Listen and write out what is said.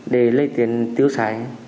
để lấy tiền tiêu sản